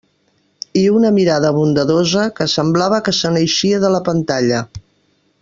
I una mirada bondadosa que semblava que se n'eixia de la pantalla.